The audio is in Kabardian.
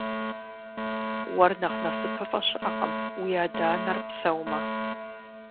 Уэр нэхъ насыпыфӏэ щыӏэкъым уи адэ-анэр псэумэ.